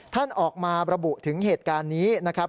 ท่านออกมาระบุถึงเหตุการณ์นี้นะครับ